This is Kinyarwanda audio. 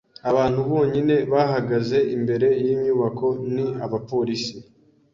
Abantu bonyine bahagaze imbere yinyubako ni abapolisi.